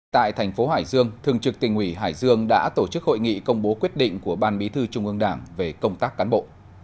tại thành phố hải dương thường trực tỉnh ủy hải dương đã tổ chức hội nghị công bố quyết định của ban bí thư trung ương đảng về công tác cán bộ